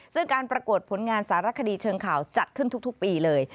ซึ่งการประกวดผลงานสารคดีเชิงข่าวจัดขึ้นทุกปีเลย